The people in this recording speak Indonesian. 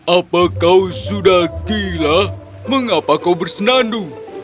apa kau sudah gila mengapa kau bersenandu